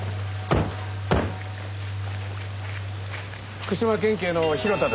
福島県警の広田です。